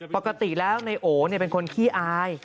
ปกติแล้วในโอ๋เนี่ยเป็นคนขี้อาย